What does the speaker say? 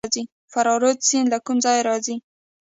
فراه رود سیند له کومه راځي؟